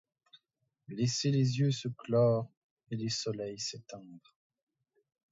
Laisser les yeux se clore et les soleils s’éteindre ;